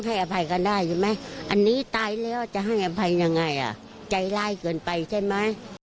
อันนี้ตายแล้วจะให้ไปยังไงใจล่ายเกินไปใช่ไหม